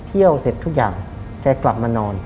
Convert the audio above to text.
เที่ยวเสร็จทุกอย่างแกกลับมานอน